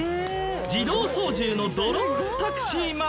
自動操縦のドローンタクシーまで。